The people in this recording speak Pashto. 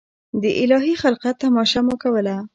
د الهي خلقت تماشه مو کوله.